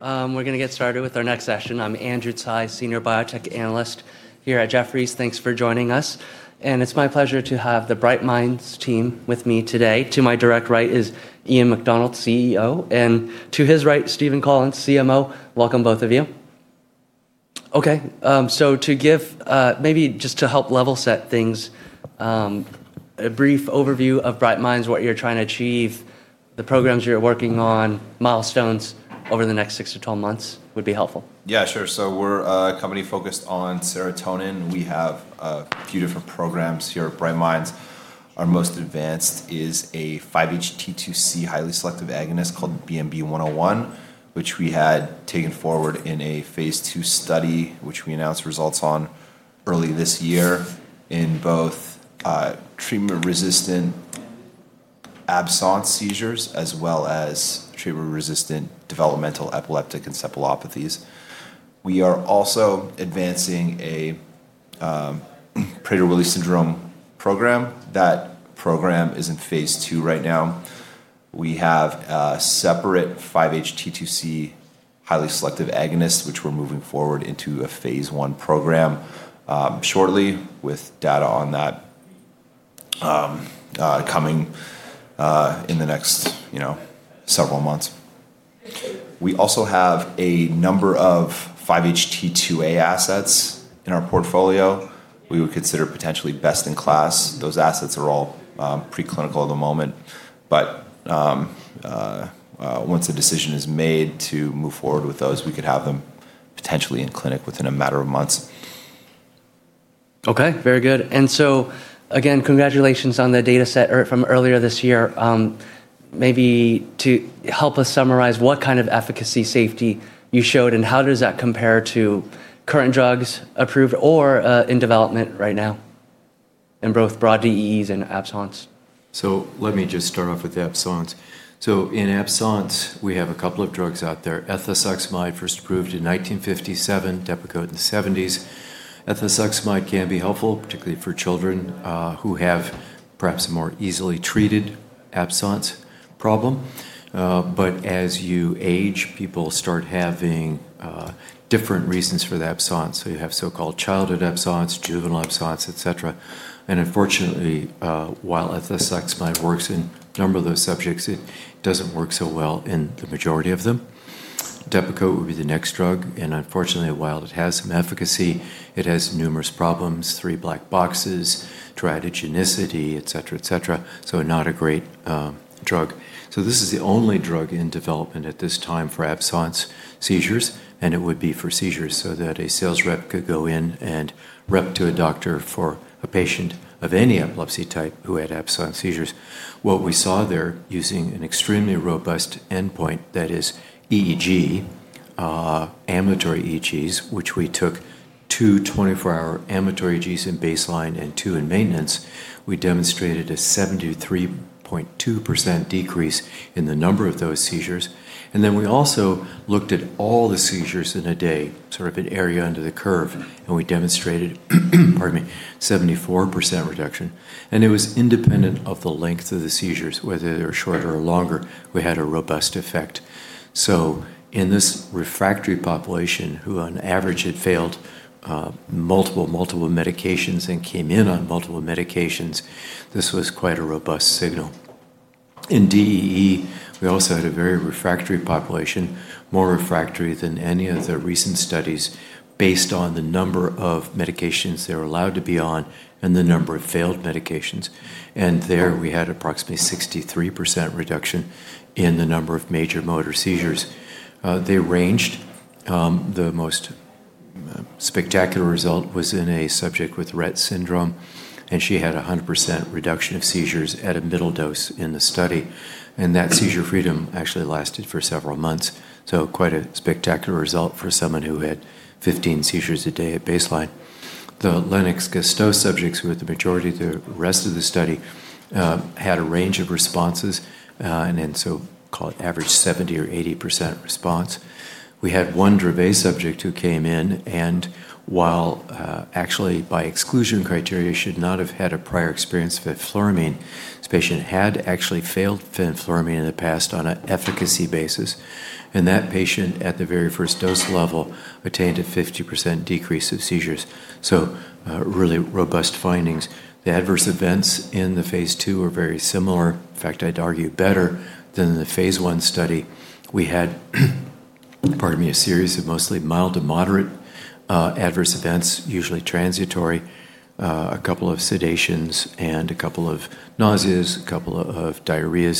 We're going to get started with our next session. I'm Andrew Tsai, Senior Biotech Analyst here at Jefferies. Thanks for joining us. It's my pleasure to have the Bright Minds team with me today. To my direct right is Ian McDonald, CEO, and to his right, Stephen Collins, CMO. Welcome, both of you. Okay. Maybe just to help level set things, a brief overview of Bright Minds, what you're trying to achieve, the programs you're working on, milestones over the next six to 12 months would be helpful. Yeah, sure. We're a company focused on serotonin. We have a few different programs here at Bright Minds. Our most advanced is a 5-HT2C highly selective agonist called BMB-101, which we had taken forward in a phase II study, which we announced results on early this year in both treatment-resistant absence seizures, as well as treatment-resistant developmental epileptic encephalopathies. We are also advancing a Prader-Willi syndrome program. That program is in phase II right now. We have a separate 5-HT2C highly selective agonist, which we're moving forward into a phase I program shortly, with data on that coming in the next several months. We also have a number of 5-HT2A assets in our portfolio we would consider potentially best in class. Those assets are all pre-clinical at the moment, but once a decision is made to move forward with those, we could have them potentially in clinic within a matter of months. Okay, very good. Again, congratulations on the data set from earlier this year. Maybe to help us summarize what kind of efficacy safety you showed, and how does that compare to current drugs approved or in development right now in both broad DEEs and absence? Let me just start off with absence. In absence, we have a couple of drugs out there, ethosuximide, first approved in 1957, Depakote in the '70s. Ethosuximide can be helpful, particularly for children who have perhaps a more easily treated absence problem. As you age, people start having different reasons for the absence. You have so-called childhood absence, juvenile absence, et cetera. Unfortunately, while ethosuximide works in a number of those subjects, it doesn't work so well in the majority of them. Depakote would be the next drug, unfortunately, while it has some efficacy, it has numerous problems, three black boxes, teratogenicity, et cetera. Not a great drug. This is the only drug in development at this time for absence seizures, and it would be for seizures so that a sales rep could go in and rep to a doctor for a patient of any epilepsy type who had absence seizures. What we saw there, using an extremely robust endpoint that is EEG, ambulatory EEGs, which we took two 24-hour ambulatory EEGs in baseline and two in maintenance, we demonstrated a 73.2% decrease in the number of those seizures. We also looked at all the seizures in a day, sort of an area under the curve, and we demonstrated. Pardon me. 74% reduction, and it was independent of the length of the seizures, whether they were shorter or longer, we had a robust effect. In this refractory population, who on average had failed multiple medications and came in on multiple medications, this was quite a robust signal. In DEE, we also had a very refractory population, more refractory than any of the recent studies based on the number of medications they were allowed to be on and the number of failed medications. There we had approximately 63% reduction in the number of major motor seizures. They ranged. The most spectacular result was in a subject with Rett syndrome, and she had 100% reduction of seizures at a middle dose in the study, and that seizure freedom actually lasted for several months. Quite a spectacular result for someone who had 15 seizures a day at baseline. The Lennox-Gastaut subjects, who were the majority of the rest of the study, had a range of responses, and so call it average 70% or 80% response. We had one Dravet subject who came in, and while actually by exclusion criteria should not have had a prior experience with fenfluramine, this patient had actually failed fenfluramine in the past on an efficacy basis. That patient, at the very first dose level, attained a 50% decrease of seizures. Really robust findings. The adverse events in the phase II are very similar. In fact, I'd argue better than the phase I study. Pardon me. We had a series of mostly mild to moderate adverse events, usually transitory, a couple of sedations, and a couple of nausea, a couple of diarrhea,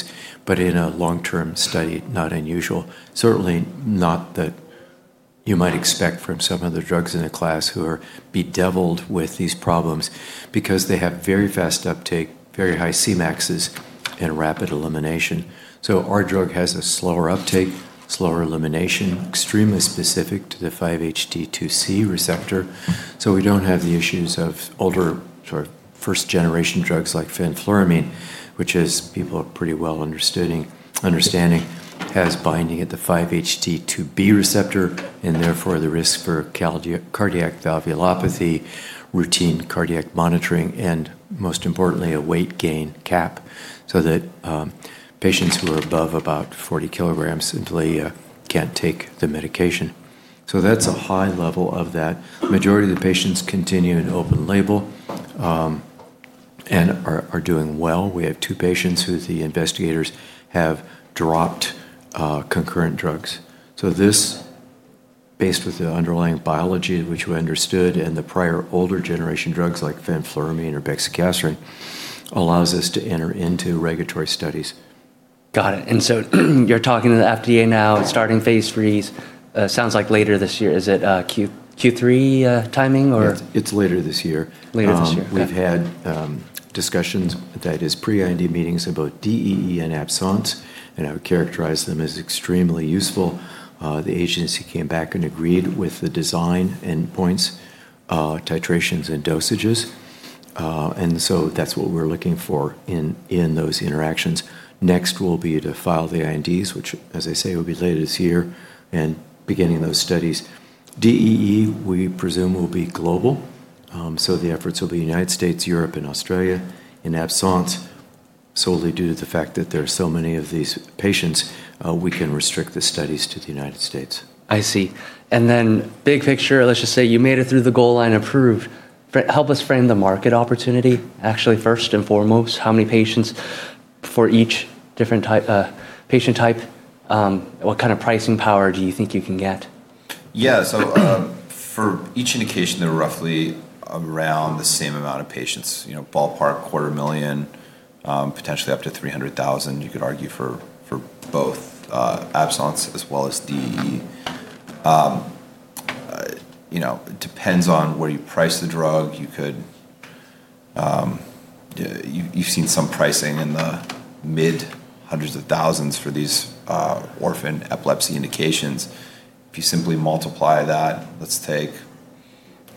but in a long-term study, not unusual. Certainly not that you might expect from some other drugs in the class who are bedeviled with these problems, because they have very fast uptake, very high Cmaxes, and rapid elimination. Our drug has a slower uptake, slower elimination, extremely specific to the 5-HT2C receptor. We don't have the issues of older, sort of first-generation drugs like fenfluramine, which as people are pretty well understanding, has binding at the 5-HT2B receptor, and therefore the risk for cardiac valvulopathy, routine cardiac monitoring, and most importantly, a weight gain cap so that patients who are above about 40 kg simply can't take the medication. That's a high level of that. Majority of the patients continue in open label and are doing well. We have two patients who the investigators have dropped concurrent drugs. This, based with the underlying biology which we understood and the prior older generation drugs like fenfluramine or bexicaserin, allows us to enter into regulatory studies. Got it. You're talking to the FDA now and starting phase IIIs, sounds like later this year. Is it Q3 timing, or? Yes. It's later this year. Later this year. Okay. We've had discussions, that is pre-IND meetings in both DEE and absence, and I would characterize them as extremely useful. The agency came back and agreed with the design endpoints, titrations, and dosages. That's what we're looking for in those interactions. Next will be to file the INDs, which, as I say, will be later this year, and beginning those studies. DEE, we presume will be global, so the efforts will be United States, Europe, and Australia. In absence, solely due to the fact that there are so many of these patients, we can restrict the studies to the United States. I see. Big picture, let's just say you made it through the goal line approved. Help us frame the market opportunity, actually, first and foremost. How many patients for each different patient type? What kind of pricing power do you think you can get? For each indication, they're roughly around the same amount of patients. Ballpark quarter of a million, potentially up to 300,000 you could argue for both absence as well as DEE. It depends on where you price the drug. You've seen some pricing in the mid hundreds of thousands for these orphan epilepsy indications. If you simply multiply that, let's say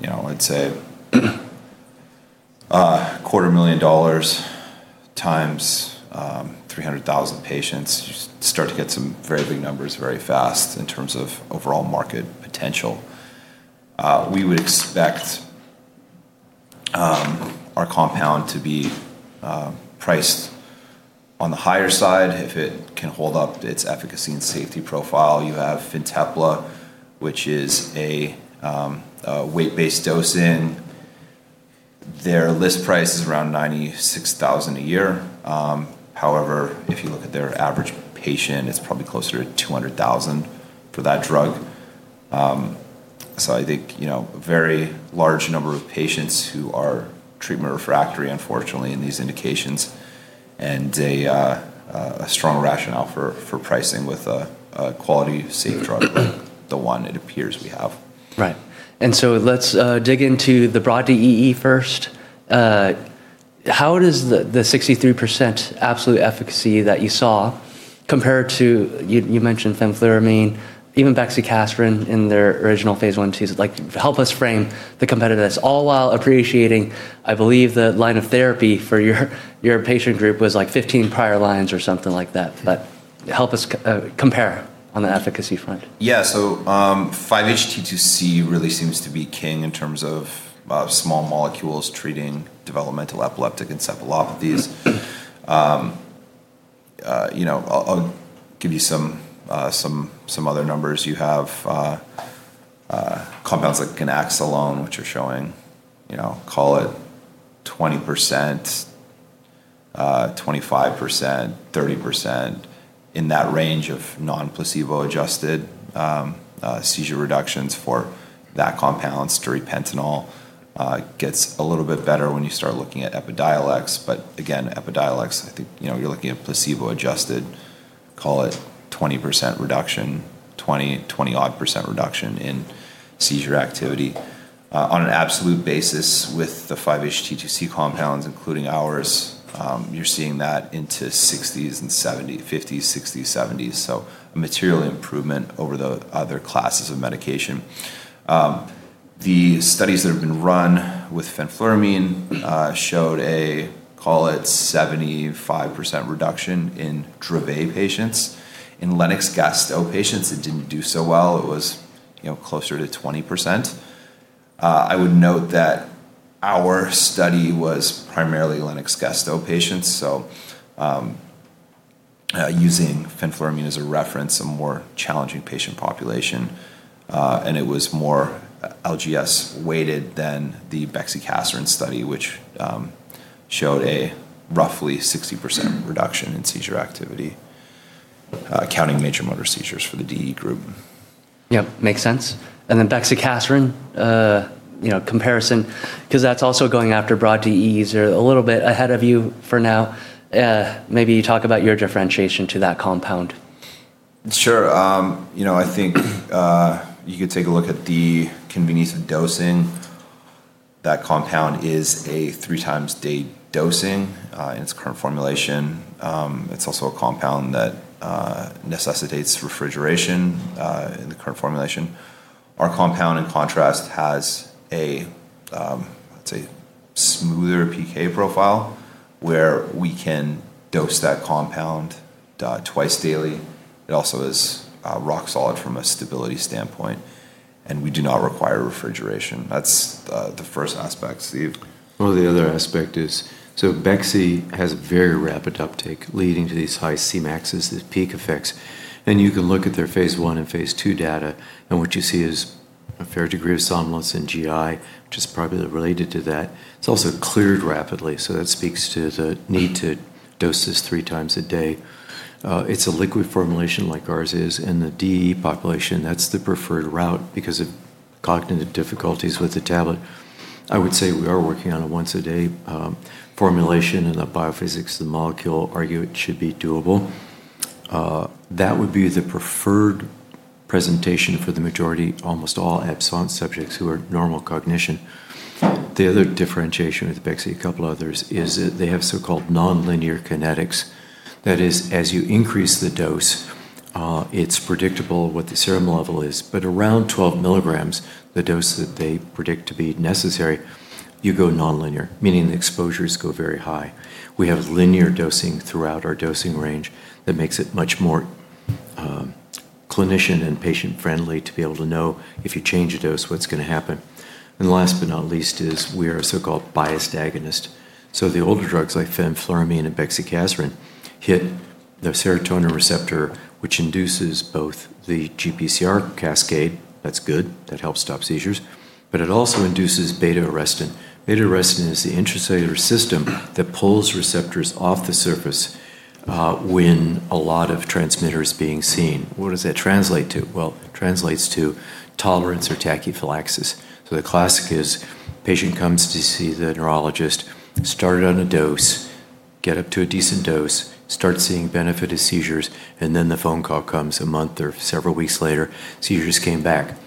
a $250,000 times 300,000 patients, you start to get some very big numbers very fast in terms of overall market potential. We would expect our compound to be priced on the higher side if it can hold up its efficacy and safety profile. You have FINTEPLA, which is a weight-based dose in. Their list price is around $96,000 a year. However, if you look at their average patient, it's probably closer to $200,000 for that drug. I think, a very large number of patients who are treatment refractory, unfortunately, in these indications, and a strong rationale for pricing with a quality, safe drug like the one it appears we have. Right. Let's dig into the broad DEE first. How does the 63% absolute efficacy that you saw compare to, you mentioned fenfluramine, even bexicaserin in their original phase I and IIs. Help us frame the competitiveness, all while appreciating, I believe the line of therapy for your patient group was 15 prior lines or something like that. Help us compare on the efficacy front. 5-HT2C really seems to be king in terms of small molecules treating developmental epileptic encephalopathies. I'll give you some other numbers. You have compounds like ganaxolone, which are showing, call it 20%, 25%, 30% in that range of non-placebo adjusted seizure reductions for that compound. Stiripentol gets a little bit better when you start looking at EPIDIOLEX. EPIDIOLEX, I think, you're looking at placebo adjusted, call it 20% reduction, 20-odd% reduction in seizure activity. On an absolute basis with the 5-HT2C compounds, including ours, you're seeing that into 60s and 70, 50s, 60s, 70s. A material improvement over the other classes of medication. The studies that have been run with fenfluramine showed a, call it 75% reduction in Dravet patients. In Lennox-Gastaut patients, it didn't do so well. It was closer to 20%. I would note that our study was primarily Lennox-Gastaut patients, so using fenfluramine as a reference, a more challenging patient population. It was more LGS weighted than the bexicaserin study, which showed a roughly 60% reduction in seizure activity, counting major motor seizures for the DEE group. Yep. Makes sense. Bexicaserin comparison, because that's also going after broad DEEs. They're a little bit ahead of you for now. Maybe talk about your differentiation to that compound. Sure. I think you could take a look at the convenience of dosing. That compound is a 3x a day dosing in its current formulation. It's also a compound that necessitates refrigeration in the current formulation. Our compound, in contrast, has a, let's say, smoother PK profile, where we can dose that compound twice daily. It also is rock solid from a stability standpoint, and we do not require refrigeration. That's the first aspect. Steve? The other aspect is, bexicaserin has a very rapid uptake leading to these high Cmax, these peak effects. You can look at their phase I and phase II data, and what you see is a fair degree of somnolence in GI, which is probably related to that. It's also cleared rapidly, that speaks to the need to dose this 3x a day. It's a liquid formulation like ours is. In the DEE population, that's the preferred route because of cognitive difficulties with the tablet. I would say we are working on a once-a-day formulation, the biophysics of the molecule argue it should be doable. That would be the preferred presentation for the majority, almost all absence subjects who are normal cognition. The other differentiation with bexic, a couple others, is that they have so-called nonlinear kinetics. That is, as you increase the dose, it's predictable what the serum level is. Around 12 mg, the dose that they predict to be necessary, you go nonlinear, meaning the exposures go very high. We have linear dosing throughout our dosing range that makes it much more clinician and patient-friendly to be able to know if you change a dose, what's going to happen. Last but not least is we are a so-called biased agonist. The older drugs like fenfluramine and bexicaserin hit the serotonin receptor, which induces both the GPCR cascade. That's good. That helps stop seizures. It also induces beta-arrestin. Beta-arrestin is the intracellular system that pulls receptors off the surface when a lot of transmitter is being seen. What does that translate to? Well, it translates to tolerance or tachyphylaxis. The classic is patient comes to see the neurologist, started on a dose, get up to a decent dose, start seeing benefit of seizures, and then the phone call comes a month or several weeks later, "Seizures came back."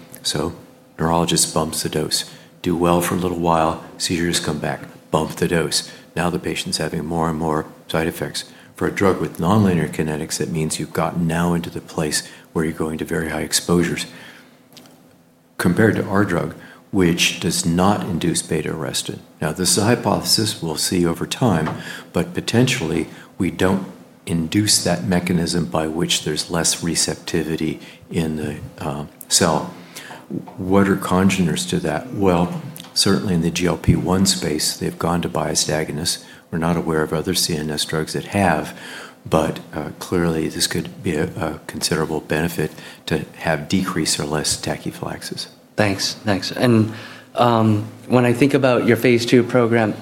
neurologist bumps the dose. Do well for a little while. Seizures come back. Bump the dose. The patient's having more and more side effects. For a drug with nonlinear kinetics, that means you've gotten now into the place where you're going to very high exposures compared to our drug, which does not induce beta-arrestin. This is a hypothesis we'll see over time, but potentially we don't induce that mechanism by which there's less receptivity in the cell. What are congeners to that? Certainly in the GLP-1 space, they've gone to biased agonists. We're not aware of other CNS drugs that have, but clearly this could be a considerable benefit to have decreased or less tachyphylaxis. Thanks. When I think about your phase II program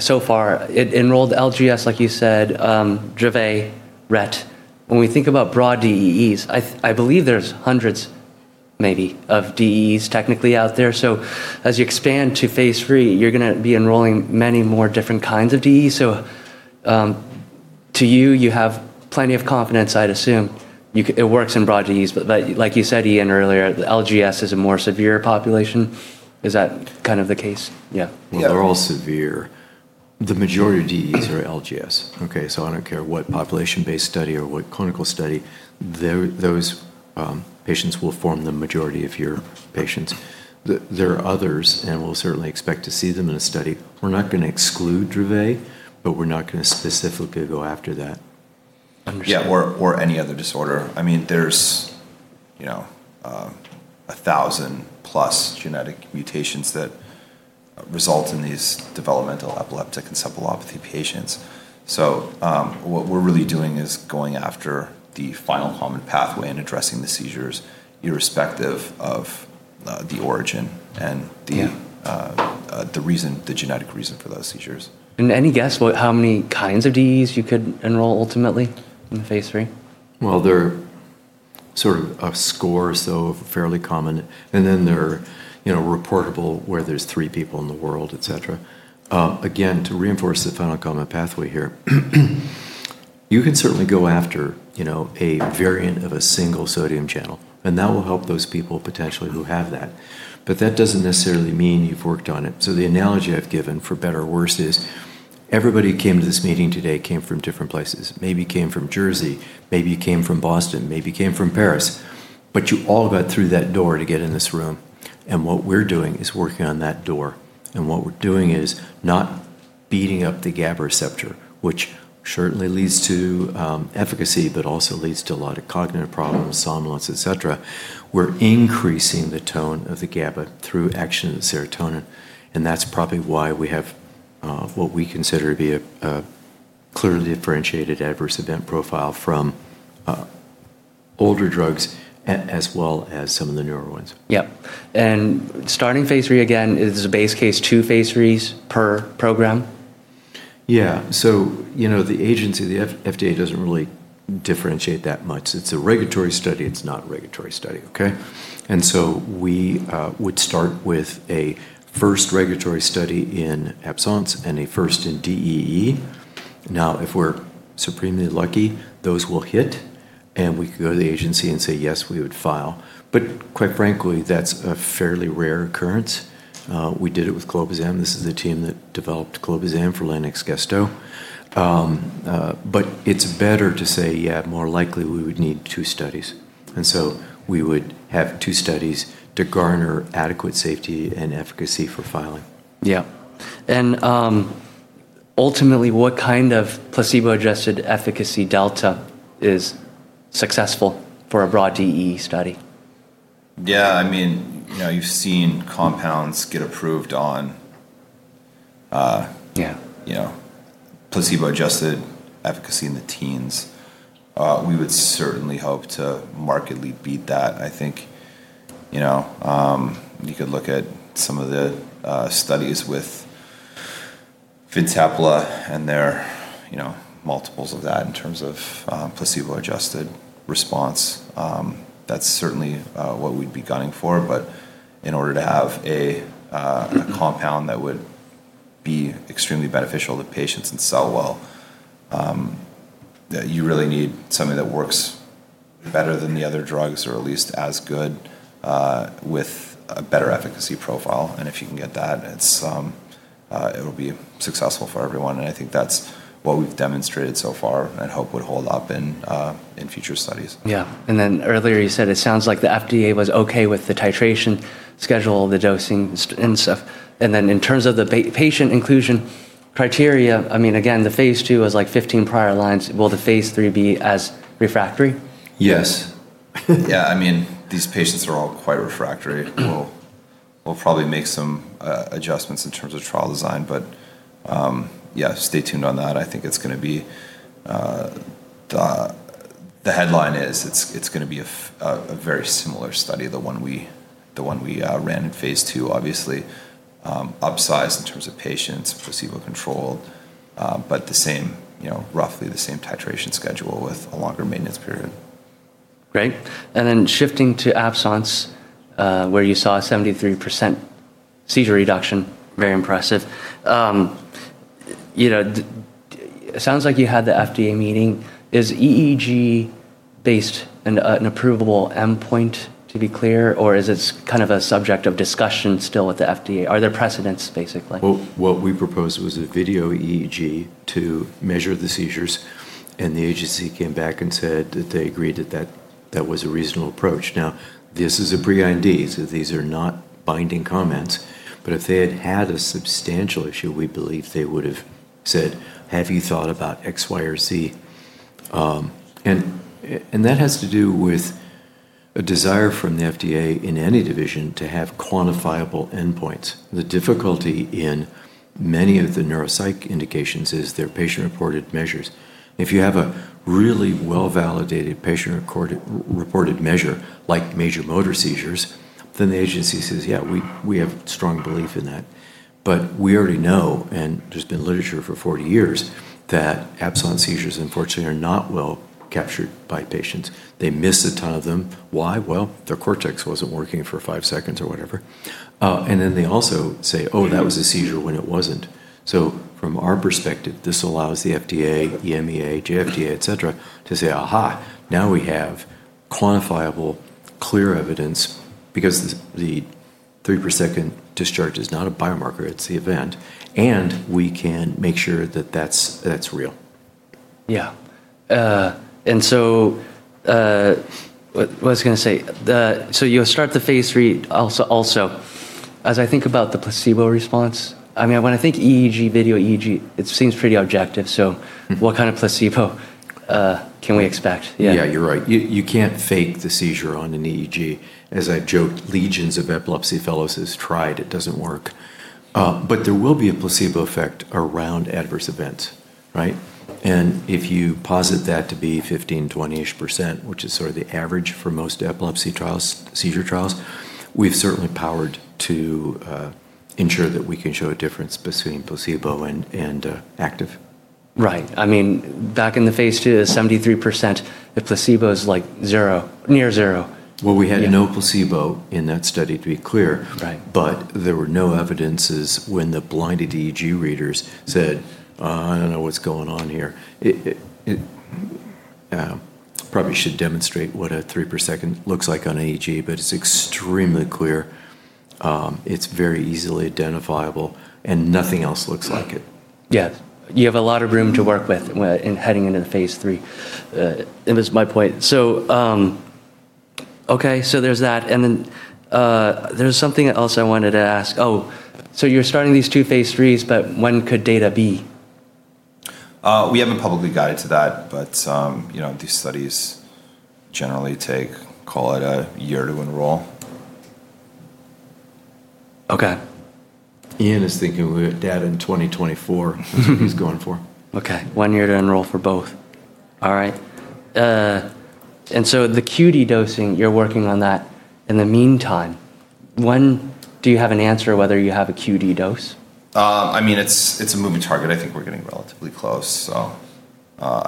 so far, it enrolled LGS, like you said, Dravet, Rett. When we think about broad DEEs, I believe there's hundreds, maybe, of DEEs technically out there. As you expand to phase III, you're going to be enrolling many more different kinds of DEE. To you have plenty of confidence, I'd assume. It works in broad DEEs, but like you said, Ian, earlier, the LGS is a more severe population. Is that kind of the case? Yeah. Well, they're all severe. The majority of DEEs are LGS, okay? I don't care what population-based study or what clinical study, those patients will form the majority of your patients. There are others, and we'll certainly expect to see them in a study. We're not going to exclude Dravet, but we're not going to specifically go after that. Understood. Yeah, any other disorder. There's 1,000-plus genetic mutations that result in these developmental epileptic encephalopathy patients. What we're really doing is going after the final common pathway and addressing the seizures irrespective of the origin. Yeah. the genetic reason for those seizures. Any guess about how many kinds of DEEs you could enroll ultimately in the phase III? Well, they're sort of a score or so fairly common, and then they're reportable where there's three people in the world, et cetera. To reinforce the final common pathway here, you can certainly go after a variant of a single sodium channel, and that will help those people potentially who have that. That doesn't necessarily mean you've worked on it. The analogy I've given, for better or worse, is everybody who came to this meeting today came from different places. Maybe you came from Jersey, maybe you came from Boston, maybe you came from Paris. You all got through that door to get in this room, and what we're doing is working on that door. What we're doing is not beating up the GABA receptor, which certainly leads to efficacy, but also leads to a lot of cognitive problems, somnolence, et cetera. We're increasing the tone of the GABA through action of the serotonin, and that's probably why we have what we consider to be a clearly differentiated adverse event profile from older drugs, as well as some of the newer ones. Yep. Starting phase III, again, is the base case two phase IIIs per program? Yeah. The agency, the FDA, doesn't really differentiate that much. It's a regulatory study. It's not a regulatory study, okay? We would start with a first regulatory study in absence and a first in DEE. Now, if we're supremely lucky, those will hit, and we can go to the agency and say, "Yes, we would file." Quite frankly, that's a fairly rare occurrence. We did it with clobazam. This is the team that developed clobazam for Lennox-Gastaut. It's better to say, "Yeah, more likely we would need two studies." We would have two studies to garner adequate safety and efficacy for filing. Yeah. Ultimately, what kind of placebo-adjusted efficacy delta is successful for a broad DEE study? Yeah. You've seen compounds get approved on Yeah placebo-adjusted efficacy in the teens. We would certainly hope to markedly beat that. I think you could look at some of the studies with FINTEPLA and their multiples of that in terms of placebo-adjusted response. That's certainly what we'd be gunning for. In order to have a compound that would be extremely beneficial to patients and sell well, you really need something that works better than the other drugs or at least as good with a better efficacy profile. If you can get that, it'll be successful for everyone, and I think that's what we've demonstrated so far and hope would hold up in future studies. Yeah. Earlier you said it sounds like the FDA was okay with the titration schedule, the dosing, and stuff. In terms of the patient inclusion criteria, again, the phase II was 15 prior lines. Will the phase III be as refractory? Yes. Yeah. These patients are all quite refractory. We'll probably make some adjustments in terms of trial design, yeah, stay tuned on that. The headline is it's going to be a very similar study, the one we ran in phase II, obviously upsized in terms of patients, placebo controlled, roughly the same titration schedule with a longer maintenance period. Great. Shifting to absence, where you saw a 73% seizure reduction. Very impressive. It sounds like you had the FDA meeting. Is EEG based an approvable endpoint, to be clear? Or is this kind of a subject of discussion still with the FDA? Are there precedents, basically? What we proposed was a video EEG to measure the seizures, and the agency came back and said that they agreed that that was a reasonable approach. This is a pre-IND, so these are not binding comments, but if they had had a substantial issue, we believe they would've said, "Have you thought about X, Y, or Z?" That has to do with a desire from the FDA in any division to have quantifiable endpoints. The difficulty in many of the neuropsych indications is they're patient-reported measures. If you have a really well-validated patient-reported measure, like major motor seizures, then the agency says, "Yeah, we have strong belief in that." We already know, and there's been literature for 40 years, that absence seizures, unfortunately, are not well captured by patients. They miss a ton of them. Why? Their cortex wasn't working for five seconds or whatever. They also say, "Oh, that was a seizure," when it wasn't. From our perspective, this allows the FDA, EMEA, PMDA, et cetera, to say, "Aha, now we have quantifiable, clear evidence," because the three-per-second discharge is not a biomarker, it's the event. We can make sure that that's real. Yeah. What was I going to say? You'll start the phase III also. As I think about the placebo response, when I think EEG, video EEG, it seems pretty objective, so what kind of placebo can we expect? Yeah. Yeah, you're right. You can't fake the seizure on an EEG. As I've joked, legions of epilepsy fellows have tried. It doesn't work. There will be a placebo effect around adverse events. Right? If you posit that to be 15, 20-ish%, which is sort of the average for most epilepsy seizure trials, we've certainly powered to ensure that we can show a difference between placebo and active. Right. Back in the phase II, 73%, the placebo's 0%. Near 0%. Well, we had no placebo in that study, to be clear. Right. There were no evidences when the blinded EEG readers said, "Oh, I don't know what's going on here." It probably should demonstrate what a three-per-second looks like on an EEG, but it's extremely clear. It's very easily identifiable and nothing else looks like it. Yeah. You have a lot of room to work with in heading into the phase III. It was my point. Okay, so there's that, then there's something else I wanted to ask. Oh, you're starting these two phase IIIs, when could data be? We haven't publicly guided to that, but these studies generally take, call it, a year to enroll. Okay. Ian is thinking data in 2024 is what he's going for. Okay. One year to enroll for both. All right. The QD dosing, you're working on that in the meantime. When do you have an answer whether you have a QD dose? It's a moving target. I think we're getting relatively close. I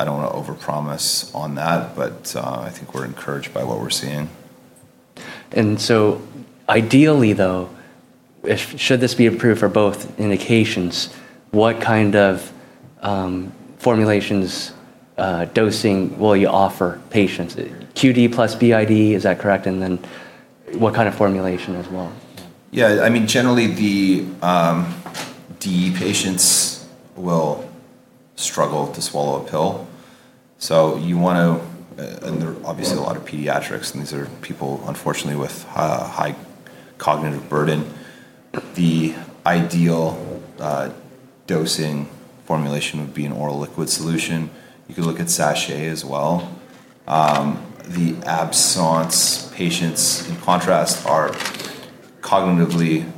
don't want to overpromise on that, but I think we're encouraged by what we're seeing. Ideally, though, should this be approved for both indications, what kind of formulations dosing will you offer patients? QD plus BID, is that correct? What kind of formulation as well? Generally, the DEE patients will struggle to swallow a pill, and there are obviously a lot of pediatrics, and these are people, unfortunately, with high cognitive burden. The ideal dosing formulation would be an oral liquid solution. You could look at sachet as well. The absence patients, in contrast, are cognitively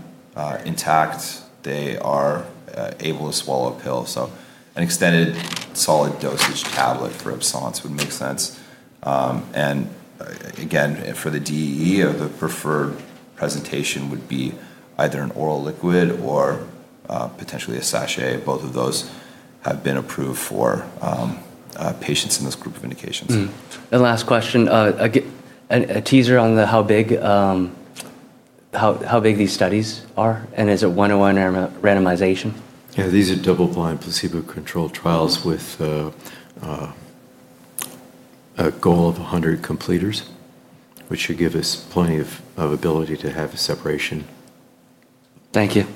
intact. They are able to swallow a pill, an extended solid dosage tablet for absence would make sense. For the DEE, the preferred presentation would be either an oral liquid or potentially a sachet. Both of those have been approved for patients in this group of indications. Last question, a teaser on how big these studies are, and is it one-on-one randomization? These are double-blind, placebo-controlled trials with a goal of 100 completers, which should give us plenty of ability to have a separation. Thank you.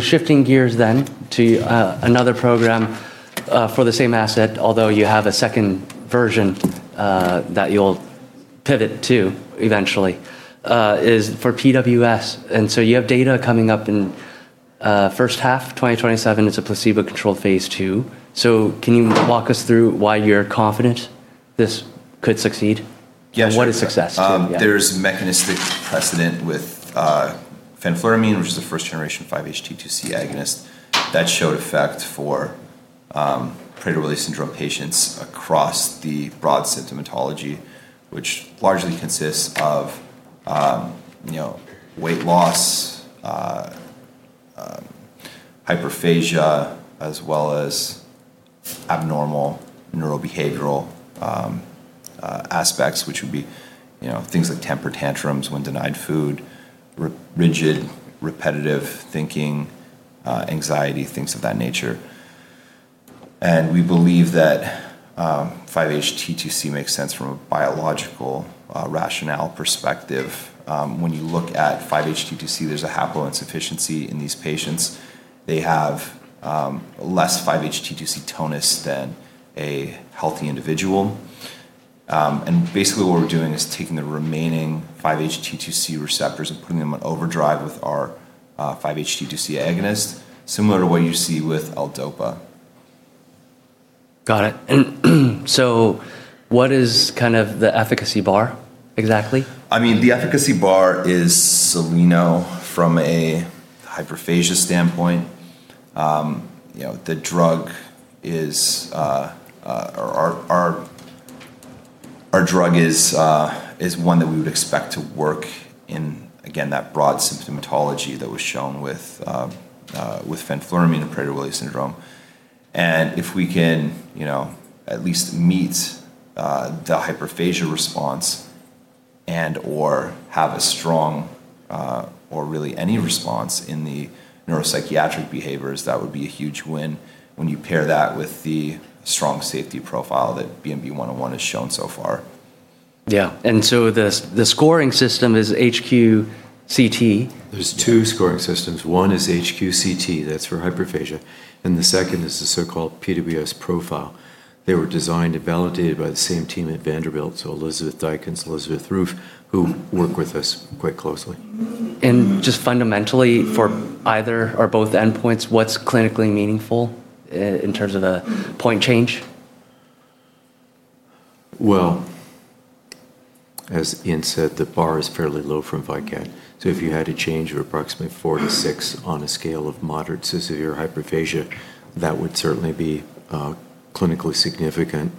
Shifting gears then to another program for the same asset, although you have a second version that you'll pivot to eventually, is for PWS. You have data coming up in first half of 2027. It's a placebo-controlled phase II. Can you walk us through why you're confident this could succeed? Yes. What is success too? Yeah. There's mechanistic precedent with fenfluramine, which is a first-generation 5-HT2C agonist, that showed effect for Prader-Willi syndrome patients across the broad symptomatology, which largely consists of weight loss, hyperphagia, as well as abnormal neurobehavioral aspects, which would be things like temper tantrums when denied food, rigid, repetitive thinking, anxiety, things of that nature. We believe that 5-HT2C makes sense from a biological rationale perspective. When you look at 5-HT2C, there's a haploinsufficiency in these patients. They have less 5-HT2C tonus than a healthy individual. Basically what we're doing is taking the remaining 5-HT2C receptors and putting them on overdrive with our 5-HT2C agonist, similar to what you see with L-DOPA. Got it. What is the efficacy bar exactly? The efficacy bar, we know from a hyperphagia standpoint, our drug is one that we would expect to work in, again, that broad symptomatology that was shown with fenfluramine in Prader-Willi syndrome. If we can at least meet the hyperphagia response and/or have a strong, or really any response in the neuropsychiatric behaviors, that would be a huge win when you pair that with the strong safety profile that BMB-101 has shown so far. Yeah. The scoring system is HQ-CT. There's two scoring systems. One is HQ-CT, that's for hyperphagia, and the second is the so-called PWS profile. They were designed and validated by the same team at Vanderbilt, so Elisabeth Dykens, Elizabeth Roof, who work with us quite closely. Just fundamentally for either or both endpoints, what's clinically meaningful in terms of the point change? Well, as Ian said, the bar is fairly low for VYKAT. If you had a change of approximately four to six on a scale of moderate to severe hyperphagia, that would certainly be clinically significant.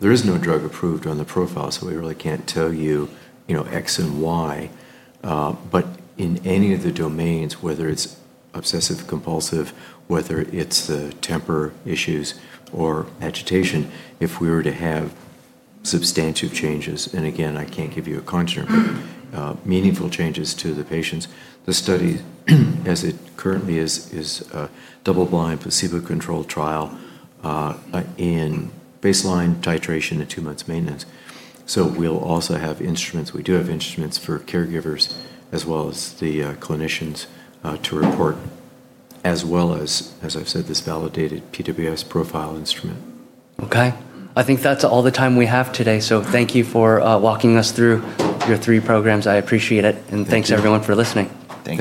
There is no drug approved on the PWS Profile, we really can't tell you X and Y. In any of the domains, whether it's obsessive-compulsive, whether it's the temper issues or agitation, if we were to have substantive changes, and again, I can't give you a count here, but meaningful changes to the patients. The study as it currently is a double-blind, placebo-controlled trial in baseline titration and two months maintenance. We'll also have instruments, we do have instruments for caregivers as well as the clinicians to report, as well as I've said, this validated PWS Profile instrument. Okay. I think that's all the time we have today. Thank you for walking us through your three programs. I appreciate it. Thanks, everyone, for listening.